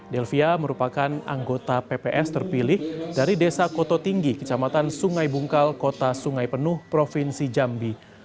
delvia merupakan anggota pps terpilih dari desa koto tinggi kecamatan sungai bungkal kota sungai penuh provinsi jambi